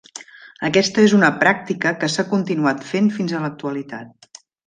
Aquesta és una pràctica que s'ha continuat fent fins a l'actualitat.